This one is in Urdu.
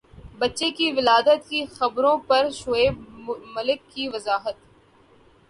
بچے کی ولادت کی خبروں پر شعیب ملک کی وضاحت